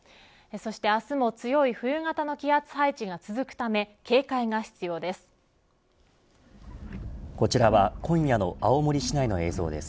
そして明日も強い冬型の気圧配置が続くため警戒が必要です。